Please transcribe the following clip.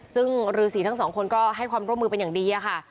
ซึ่งฤษีทั้งสองคนก็ให้ความร่วมมือเป็นอย่างดีค่ะ